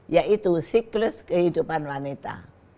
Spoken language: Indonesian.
yaitu siklus kehidupan wanita